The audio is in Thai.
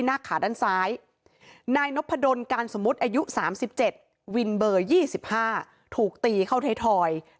นี่นี่นี่นี่นี่นี่นี่นี่นี่